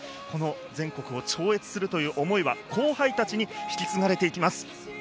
全国を「超越」するという思いは、後輩たちに引き継がれていきます。